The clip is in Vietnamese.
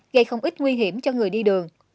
gây không ít nguy hiểm cho người đi đường